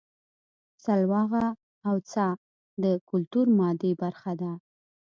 سلواغه او څا د کولتور مادي برخه ده